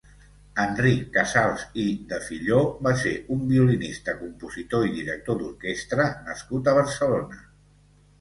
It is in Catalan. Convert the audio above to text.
Enric Casals i Defilló va ser un violinista, compositor i director d'orquestra nascut a Barcelona.